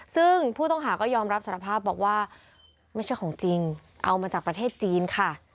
ซึ่งผู้ต้องหาก็ยอมรับสารภาพบอกว่าไม่ใช่ของจริงเอามาจากประเทศจีนค่ะ